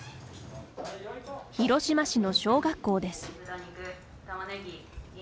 広島市の小学校です。